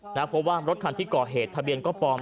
เพราะว่ารถคันที่ก่อเหตุทะเบียนก็ปลอม